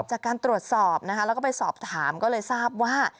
จากการตรวจสอบนะคะแล้วก็ไปสอบถามก็เลยทราบว่า